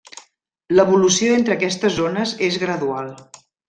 L'evolució entre aquestes zones és gradual.